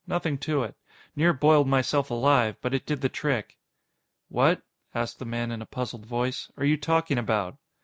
Nothing to it. Near boiled myself alive, but it did the trick." "What," asked the man in a puzzled voice, "are you talking about?"